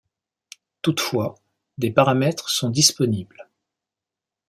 Toutefois des paramètres sont disponibles.